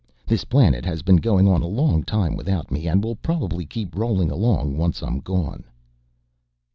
This planet has been going on a long time without me, and will probably keep rolling along once I'm gone."